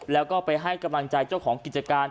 แล้วก็ไปให้กำลังใจเจ้าของกิจการ